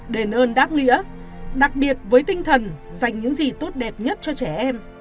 đền ơn đáp nghĩa đặc biệt với tinh thần dành những gì tốt đẹp nhất cho trẻ em